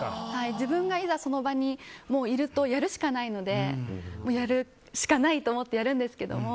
自分がいざ、その場にいるとやるしかないのでやるしかないと思ってやるんですけれども。